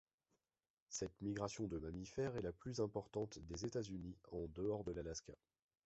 Cette migration de mammifères est la plus importante des États-Unis, en dehors de l’Alaska.